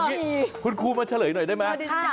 ขออภัยคุณครูมาเฉลยหน่อยได้ไหม